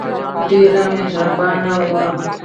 ډېر مهربانه وو.